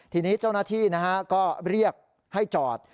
ทีนี้เจ้าหน้าที่ก็เรียกให้จอด